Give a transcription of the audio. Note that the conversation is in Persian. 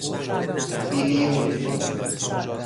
بیلیون